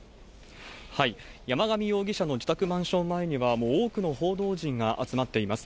山上容疑者の自宅マンション前には、多くの報道陣が集まっています。